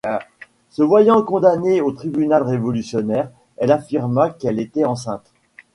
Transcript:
Se voyant condamnée au tribunal révolutionnaire, elle affirma qu’elle était enceinte.